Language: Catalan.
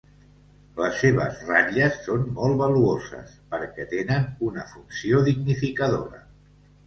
Les seves ratlles són molt valuoses perquè tenen una funció dignificadora.